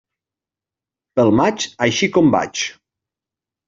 Pel maig, així com vaig.